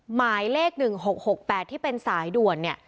หมายเลข๑๖๖๘ที่เป็นสายด่วนเนี่ย